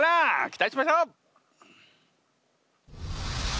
期待しましょう。